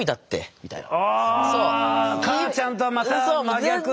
かーちゃんとはまた真逆の。